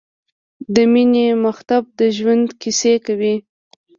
د مینې مخبت د ژوند کیسې کوی